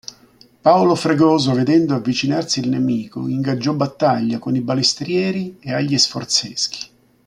Paolo Fregoso vedendo avvicinarsi il nemico ingaggiò battaglia con i balestrieri e agli sforzeschi.